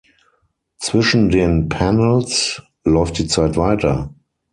Zwischen den Panels läuft die Zeit weiter.